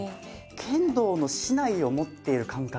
剣道の竹刀を持っている感覚。